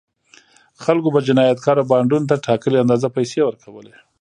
خلکو به جنایتکاره بانډونو ته ټاکلې اندازه پیسې ورکولې.